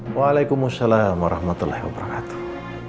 waalaikumsalam warahmatullahi wabarakatuh